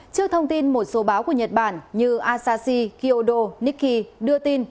trước thông tin một số báo của nhật bản như asashi kyodo nikki đưa tin